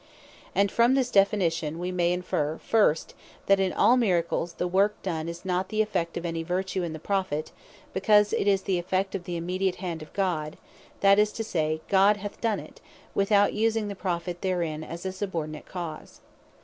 And from this definition, we may inferre; First, that in all Miracles, the work done, is not the effect of any vertue in the Prophet; because it is the effect of the immediate hand of God; that is to say God hath done it, without using the Prophet therein, as a subordinate cause.